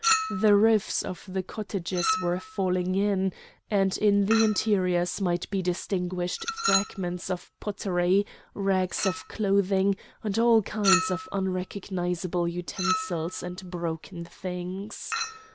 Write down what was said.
The roofs of the cottages were falling in, and in the interiors might be distinguished fragments of pottery, rags of clothing, and all kinds of unrecognisable utensils and broken things.